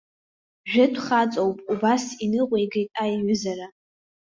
Жәытә хаҵоуп, убас иныҟәигеит аиҩызара.